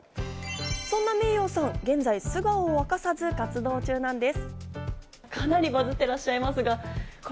そんなｍｅｉｙｏさん、現在、姿を明かさず活動中なんです。